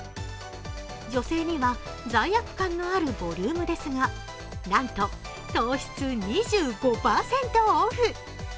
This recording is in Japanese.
女性には罪悪感のあるボリュームですが、なんと糖質２５％オフ！